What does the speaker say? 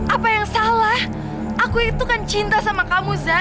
apa yang salah aku itu kan cinta sama kamu zah